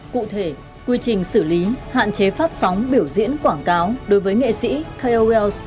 cụ thể quy trình xử lý hạn chế phát sóng biểu diễn quảng cáo đối với nghệ sĩ kols